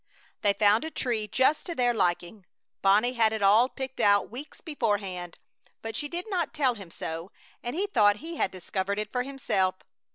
They found a tree just to their liking. Bonnie had it all picked out weeks beforehand, but she did not tell him so, and he thought he had discovered it for himself.